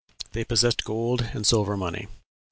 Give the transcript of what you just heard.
They possessed gold and silver money.